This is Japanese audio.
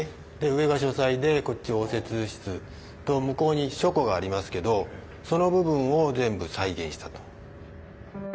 上が書斎でこっち応接室と向こうに書庫がありますけどその部分を全部再現したと。